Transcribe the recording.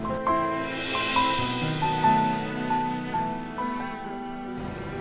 kami perlu berpisah